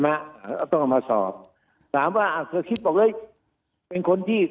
ใช่ไหมต้องเอามาสอบสามว่าคือคิดบอกเลยเป็นคนที่